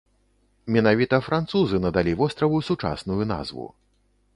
Менавіта французы надалі востраву сучасную назву.